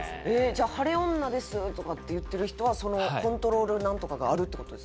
じゃあ「晴れ女です」とかって言ってる人はそのコントロールナントカがあるって事ですか？